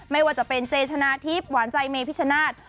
ไม่ว่าจะเป็นเจชนะทิพย์หวานใจเมพิชนาธิ์